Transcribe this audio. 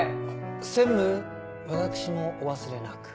専務私もお忘れなく。